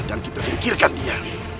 dan kita singkirkan dia